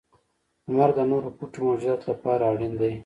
• لمر د نورو پټو موجوداتو لپاره اړین دی.